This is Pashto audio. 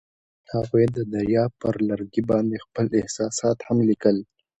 هغوی د دریا پر لرګي باندې خپل احساسات هم لیکل.